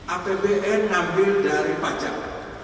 apbn nampil dari pajak